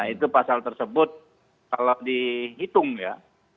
itu pasal tersebut kalau dihitung ya